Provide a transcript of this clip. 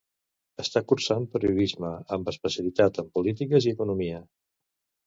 Està cursant Periodisme, amb especialitat en Polítiques i Economia.